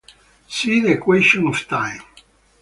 See the equation of time.